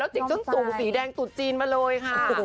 แล้วจิ๊กถึงสูงสีแดงตุนจีนมาเลยค่ะ